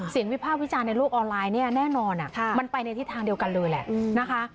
วิภาควิจารณ์ในโลกออนไลน์เนี่ยแน่นอนมันไปในทิศทางเดียวกันเลยแหละนะคะ